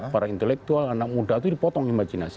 para intelektual anak muda itu dipotong imajinasi